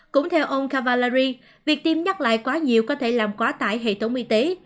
cũng theo ông kavalari việc tiêm nhắc lại quá nhiều có thể làm quá tải hệ thống y tế